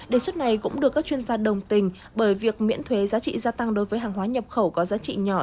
đề xuất này cũng được các chuyên gia đồng tình bởi việc miễn thuế giá trị gia tăng đối với hàng hóa nhập khẩu có giá trị nhỏ